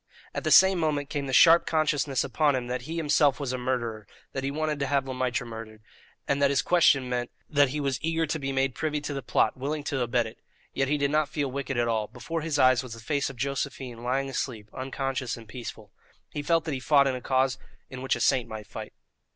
At the same moment came the sharp consciousness upon him that he himself was a murderer, that he wanted to have Le Maître murdered, that his question meant that he was eager to be made privy to the plot, willing to abet it. Yet he did not feel wicked at all; before his eyes was the face of Josephine lying asleep, unconscious and peaceful. He felt that he fought in a cause in which a saint might fight.